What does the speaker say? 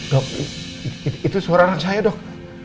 dok itu suara anak saya dok